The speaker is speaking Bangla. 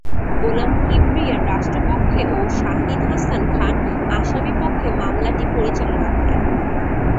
গোলাম কিবরিয়া রাষ্ট্রপক্ষে ও শাহীন হাসান খান আসামিপক্ষে মামলাটি পরিচালনা করেন।